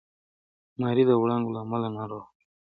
ماري د وړانګو له امله ناروغه شوه.